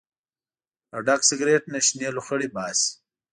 له ډک سګرټ نه شنې لوخړې باسي.